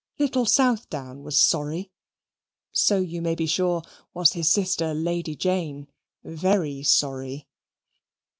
Little Southdown was sorry; so you may be sure was his sister Lady Jane, very sorry.